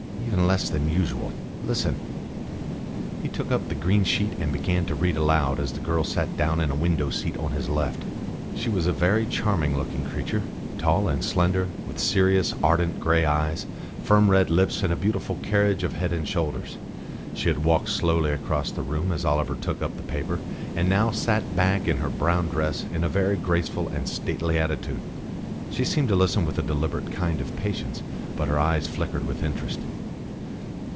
"Even less than usual. Listen." He took up the green sheet and began to read aloud as the girl sat down in a window seat on his left. She was a very charming looking creature, tall and slender, with serious, ardent grey eyes, firm red lips, and a beautiful carriage of head and shoulders. She had walked slowly across the room as Oliver took up the paper, and now sat back in her brown dress in a very graceful and stately attitude. She seemed to listen with a deliberate kind of patience; but her eyes flickered with interest.